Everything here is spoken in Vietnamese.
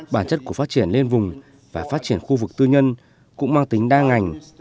bản chất của phát triển lên vùng và phát triển khu vực tư nhân cũng mang tính đa ngành